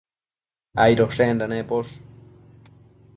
Aidoshenda neposh